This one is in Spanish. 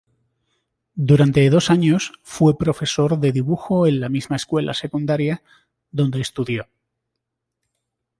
Durante dos años fue profesor de dibujo en la misma escuela secundaria, donde estudió.